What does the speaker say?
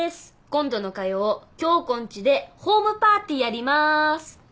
今度の火曜響子んちでホームパーティーやります。